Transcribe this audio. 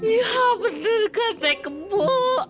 yah bener kan teh kebuk